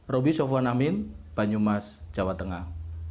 roby sofwan amin banyumas jawa tengah